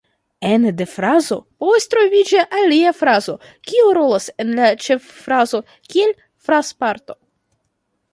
Ene de frazo povas troviĝi alia frazo, kiu rolas en la ĉeffrazo kiel frazparto.